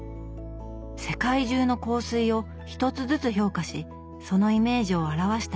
世界中の香水を１つずつ評価しそのイメージを表した一冊。